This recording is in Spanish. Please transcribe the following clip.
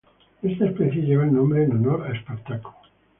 Esta especie lleva el nombre en honor a Espartaco.